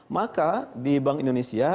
maka di bank indonesia